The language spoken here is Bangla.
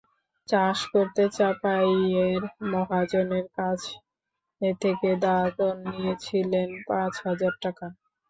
চাষ করতে চাঁপাইয়ের মহাজনের কাছে থেকে দাদন নিয়েছিলেন পাঁচ হাজার টাকা।